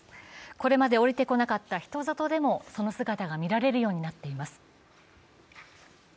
これまで下りてこなかった人里でもその姿が見られるようになっています。